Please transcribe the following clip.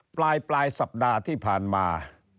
ปลายสัปดาห์ที่ผ่านมา